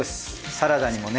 サラダにもね。